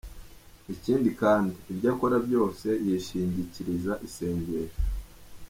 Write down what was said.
Ikindi kandi, ibyo akora byose yishingikiriza isengesho.